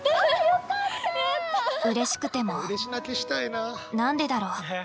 うれしくても何でだろう？